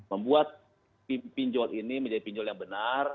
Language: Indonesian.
membuat pinjol ini menjadi pinjol yang benar